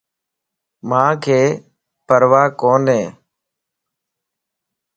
مانک پرواه ڪوني